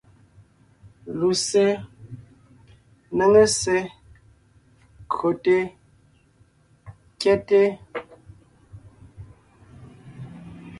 Lussé, néŋe ssé, kÿote, kyɛ́te.